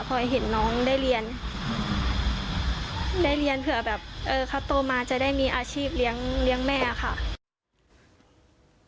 พอเห็นน้องได้เรียนได้เรียนเผื่อแบบเออเขาโตมาจะได้มีอาชีพเลี้ยงแม่ค่ะ